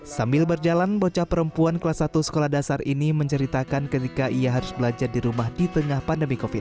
sambil berjalan bocah perempuan kelas satu sekolah dasar ini menceritakan ketika ia harus belajar di rumah di tengah pandemi covid sembilan belas